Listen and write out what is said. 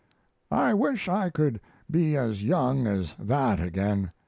I wish I could be as young as that again.